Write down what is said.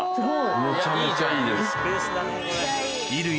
めちゃめちゃいいです。